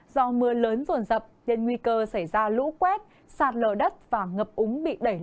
do mưa lớn ruộng dập nên nguy cơ xảy ra lũ quét sạt lở đất và mưa rộng